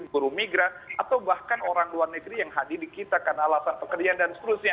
guru migran atau bahkan orang luar negeri yang hadir di kita karena alasan pekerjaan dan seterusnya